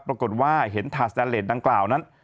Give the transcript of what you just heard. ปรากฏว่าเห็นถาดสแตนเลสดังกล่าวนั้น